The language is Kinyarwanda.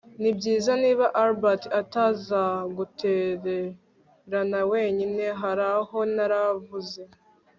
Nibyiza niba Albert atazagutererana wenyine haraho naravuze